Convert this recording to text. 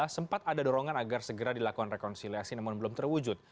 sempat ada dorongan agar segera dilakukan rekonsiliasi namun belum terwujud